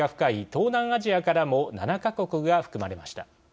東南アジアからも７か国が含まれました。